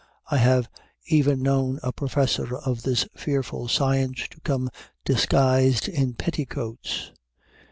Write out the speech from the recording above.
I have even known a professor of this fearful science to come disguised in petticoats.